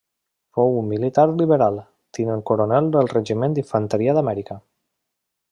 Fou un militar liberal, tinent coronel del Regiment d'Infanteria d'Amèrica.